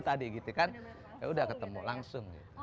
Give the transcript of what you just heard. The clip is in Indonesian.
tadi gitu kan ya udah ketemu langsung